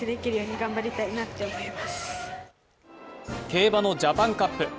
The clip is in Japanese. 競馬のジャパンカップ。